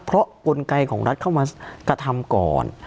เพราะกลไกของรัฐเข้ามากระทำก่อน